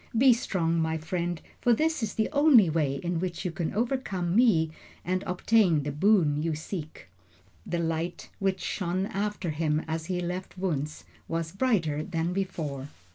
Be strong, my friend, for this is the only way in which you can overcome me and obtain the boon you seek." The light which shone after him as he left Wunzh was brighter than before.